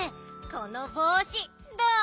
このぼうしどう？